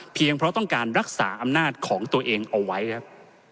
เพราะต้องการรักษาอำนาจของตัวเองเอาไว้ครับ